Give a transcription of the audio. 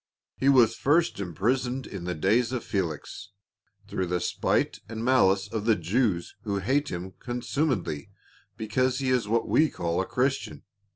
He was first imprisoned in the days of Fehx, through the spite and maHce of the Jews who hate him consumedly because he is what we call a Christian.